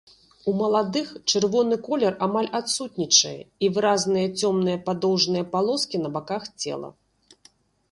У маладых чырвоны колер амаль адсутнічае і выразныя цёмныя падоўжныя палоскі на баках цела.